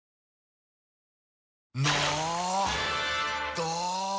ど！